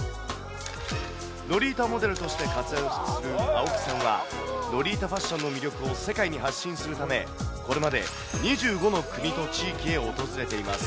ロリータモデルとして活躍する青木さんは、ロリータファッションの魅力を世界に発信するため、これまで２５の国と地域へ訪れています。